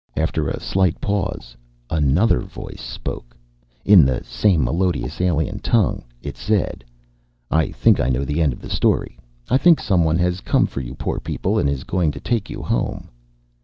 After a slight pause another voice spoke in the same melodious, alien tongue! It said, "I think I know the end of the story. I think someone has come for you poor people and is going to take you home."